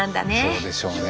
そうでしょうね。